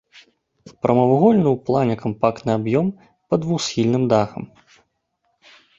Прамавугольны ў плане кампактны аб'ём пад двухсхільным дахам.